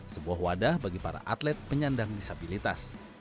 sebuah wadah bagi para atlet penyandang disabilitas